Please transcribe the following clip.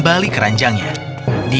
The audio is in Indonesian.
dan ada efek yang terjadi